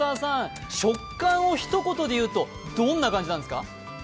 食感をひと言で言うとどんな感じなんですか？